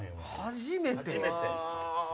初めて？